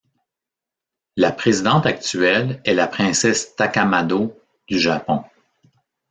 La présidente actuelle est la princesse Takamado du Japon.